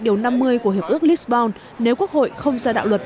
điều năm mươi của hiệp ước lisbon nếu quốc hội không ra đạo luật